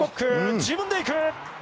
自分で行く。